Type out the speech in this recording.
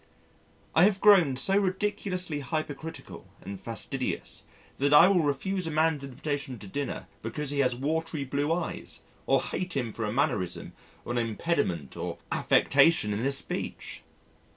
I have grown so ridiculously hypercritical and fastidious that I will refuse a man's invitation to dinner because he has watery blue eyes, or hate him for a mannerism or an impediment or affectation in his speech.